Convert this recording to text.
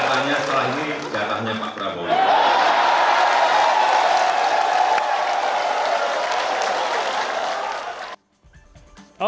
kelihatannya setelah ini jatahnya pak prabowo